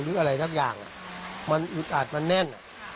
หรืออะไรสักอย่างมันอึดอัดมันแน่น